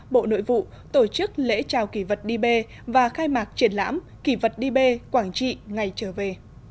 bộ nội vụ tổ chức lễ chào kỷ vật đi bê và khai mạc triển lãm kỷ vật đi bê quảng trị ngày trở về